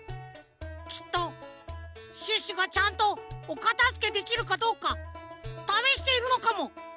きっとシュッシュがちゃんとおかたづけできるかどうかためしているのかも！